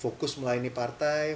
fokus melayani partai